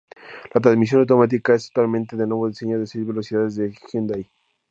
La transmisión automática es totalmente de nuevo diseño de seis velocidades de Hyundai.